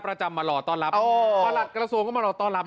ไม่ไม่เป็นไรครับขอบคุณคุณพ่อพี่